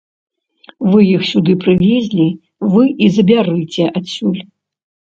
Вы іх сюды прывезлі, вы і забярыце адсюль!